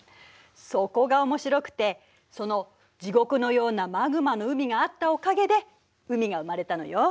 そこが面白くてその地獄のようなマグマの海があったおかげで海が生まれたのよ。